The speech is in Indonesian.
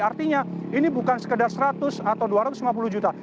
artinya ini bukan sekedar seratus atau dua ratus lima puluh juta